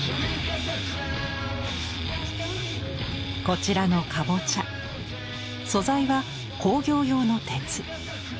こちらのカボチャ素材は工業用の鉄。